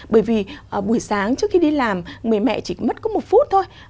bởi vì buổi sáng trước khi đi làm người mẹ chỉ mất có một phút thôi